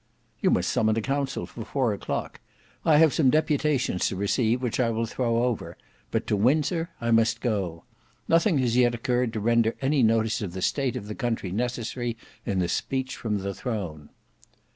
"You must summon a council for four o'clock. I have some deputations to receive which I will throw over; but to Windsor I must go. Nothing has yet occurred to render any notice of the state of the country necessary in the speech from the Throne."